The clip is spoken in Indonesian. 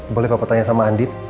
boleh papa tanya sama andin